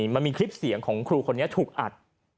มันมีคลิปเสียงของครูคนนี้ถูกอัด